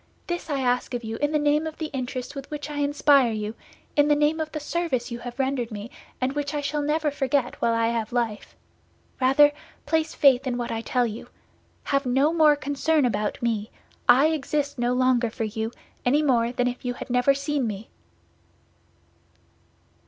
This I ask of you in the name of the interest with which I inspire you, in the name of the service you have rendered me and which I never shall forget while I have life. Rather, place faith in what I tell you. Have no more concern about me; I exist no longer for you, any more than if you had never seen me."